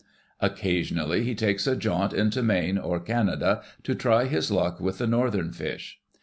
Occasionally he takes a jaunt into Maine or Canada to try his luck with the northern fish.